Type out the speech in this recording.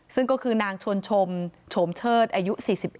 ซึ่งก็คือนางชวนชมโฉมเชิดอายุ๔๑